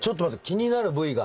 気になる部位が！